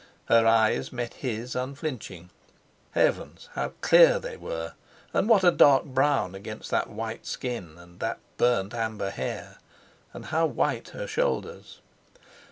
Her eyes met his unflinching. Heavens! how clear they were, and what a dark brown against that white skin, and that burnt amber hair! And how white her shoulders.